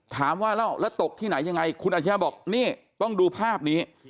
ถามว่าแล้วตกที่ไหนยังไงคุณอาชญาบอกนี่ต้องดูภาพนี้